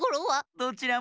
どちらも。